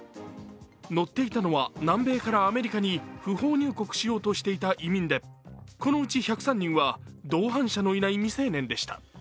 乗っていたのは南米からアメリカに不法入国しようとしていた移民でこのうち１０３人は同伴者のいない未成年でした。